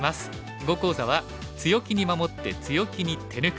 囲碁講座は「強気に守って強気に手抜く」。